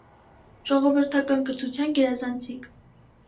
Ժողովրդական կրթության գերազանցիկ։